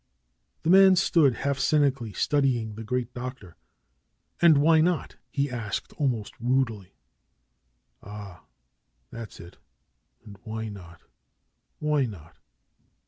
The man stood half cynically studying the great doctor. "And why not?" he asked, almost rudely. "Ah! That's it ! And why not? Why not?"